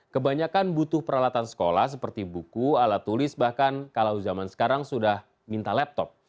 kebanyakan butuh peralatan sekolah seperti buku alat tulis bahkan kalau zaman sekarang sudah minta laptop